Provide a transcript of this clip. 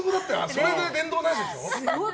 それで電動ないんでしょ？